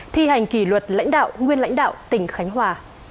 thi hành kỷ luật lãnh đạo nguyên lãnh đạo tỉnh khánh hòa